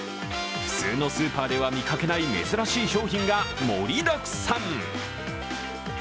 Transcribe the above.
普通のスーパーでは見かけない珍しい商品が盛りだくさん。